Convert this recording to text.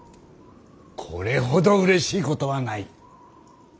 これほどうれしいことはない。